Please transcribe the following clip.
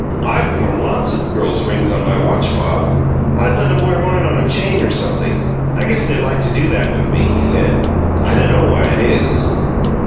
"I've worn lots o' girls' rings on my watch fob. I'd let 'em wear mine on a chain or something. I guess they like to do that with me," he said. "I dunno why it is."